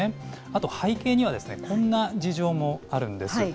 あと背景には、こんな事情もあるんです。